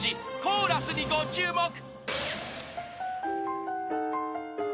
［コーラスにご注目］